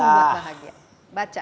apa yang membuat bahagia